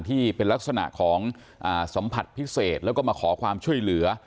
ที่เป็นลักษณะของสัมผัสพิเศษแล้วก็มาขอความช่วยเหลือ